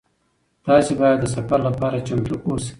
تاسي باید د سفر لپاره چمتو اوسئ.